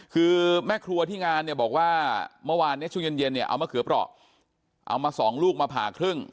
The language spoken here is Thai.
คือแม่ครัวที่งานเนี่ยบอกว่าเมื่อวานเนี่ยช่วงเย็นเนี่ยเอามะเขือเปราะเอามาสองลูกมาผ่าครึ่ง